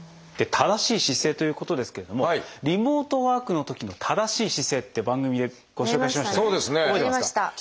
で正しい姿勢ということですけれどもリモートワークのときの正しい姿勢って番組でご紹介しました。